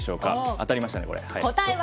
当たりましたね、これは。